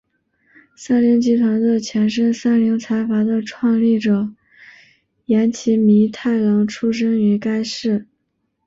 三菱集团的前身三菱财阀的创立者岩崎弥太郎出身于该市。